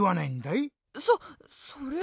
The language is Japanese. そそれは。